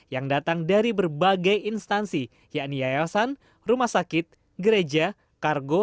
yang datang dari berbagai instansi yakni yayasan rumah sakit gereja kargo